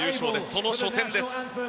その初戦です。